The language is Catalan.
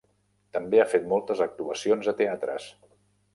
També ha fet moltes actuacions a teatres.